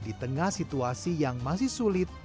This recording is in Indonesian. di tengah situasi yang masih sulit